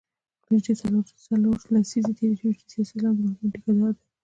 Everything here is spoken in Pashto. نژدې څلور لسیزې تېرې شوې چې سیاسي اسلام د مرګونو ټیکه دار دی.